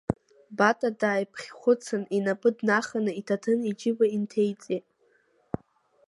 Бата дааиԥхьхәыцын, инапы днаханы, иҭаҭын иџьыба инҭеиҵеит.